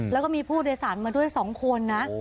แล้วก็มีผู้โดยสารมาด้วย๒คนนะ